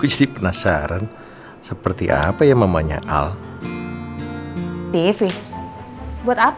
alhamdulillah syukur andin dan al sudah baikan